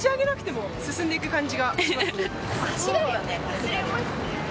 走れますね。